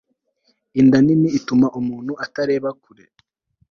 inda nini ituma umuntu atareba kure